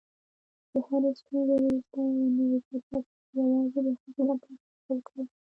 د هرې ستونزې وروسته یو نوی فرصت راځي، یوازې د هغې لپاره هڅه وکړئ.